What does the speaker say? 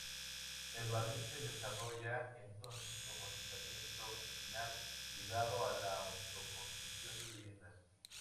El barrio se desarrolla entonces como asentamiento marginal ligado a la autoconstrucción de viviendas.